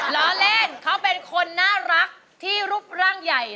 ล้อเล่นเขาเป็นคนน่ารักที่รูปร่างใหญ่